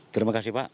terima kasih pak